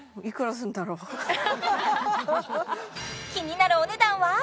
気になるお値段は？